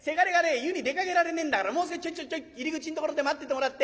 湯に出かけられねえんだからもう少しちょいちょい入り口のところで待っててもらって。